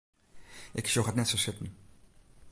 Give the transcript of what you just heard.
Ik sjoch it net sa sitten.